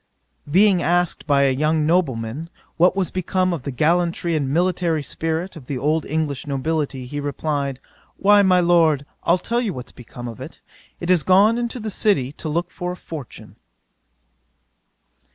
'Being asked by a young nobleman, what was become of the gallantry and military spirit of the old English nobility, he replied, "Why, my Lord, I'll tell you what is become of it; it is gone into the city to look for a fortune."